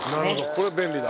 これは便利だ。